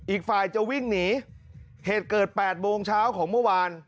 อีกฝ่ายจะวิ่งหนีเหตุเกิด๘โมงเช้าของเมื่อวาน